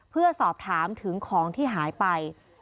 เพื่อสอบถามถึงของที่หายไป